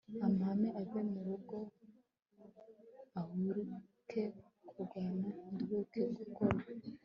amahane ave mu rugo uruhuke kurwana nduhuke guhondwa